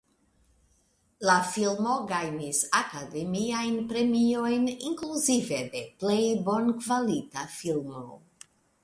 La filmo gajnis Akademiajn Premiojn inkluzive de Plej Bonkvalita Filmo.